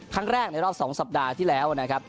ครั้งแรกในรอบ๒สัปดาห์ที่แล้วนะครับ